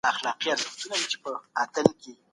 هیوادونه د نړیوالو جرایمو په مخنیوي کي مرسته کوي.